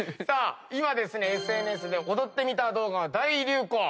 今ですねＳＮＳで踊ってみた動画が大流行。